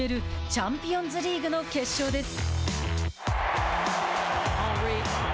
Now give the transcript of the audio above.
チャンピオンズリーグの決勝です。